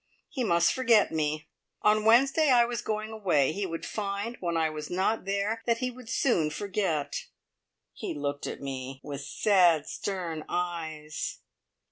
He must forget me. On Wednesday I was going away. He would find when I was not there that he would soon forget. He looked at me with sad, stern eyes.